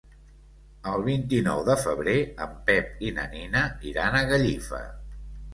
El vint-i-nou de febrer en Pep i na Nina iran a Gallifa.